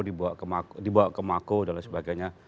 lalu dibawa ke mako dan sebagainya